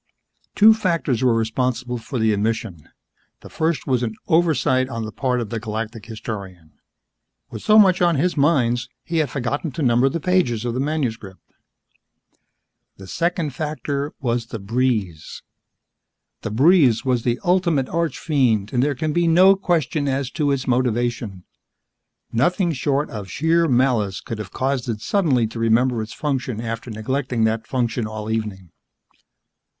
Two factors were responsible for the omission. The first was an oversight on the part of the Galactic Historian. With so much on his minds, he had forgotten to number the pages of the manuscript. The second factor was the breeze. The breeze was the ultimate archfiend and there can be no question as to its motivation. Nothing short of sheer malice could have caused it suddenly to remember its function after neglecting that function all evening.